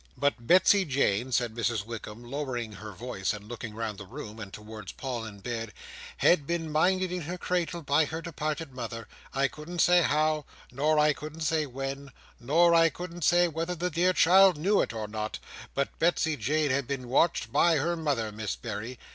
"But Betsey Jane," said Mrs Wickam, lowering her voice, and looking round the room, and towards Paul in bed, "had been minded, in her cradle, by her departed mother. I couldn't say how, nor I couldn't say when, nor I couldn't say whether the dear child knew it or not, but Betsey Jane had been watched by her mother, Miss Berry!"